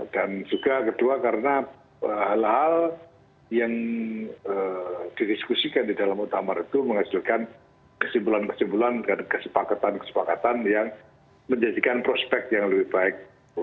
dan juga kedua karena hal hal yang diriskusikan di dalam mutamar itu menghasilkan kesimpulan kesimpulan dan kesepakatan kesepakatan yang menjadikan prospek yang lebih baik